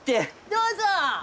どうぞ！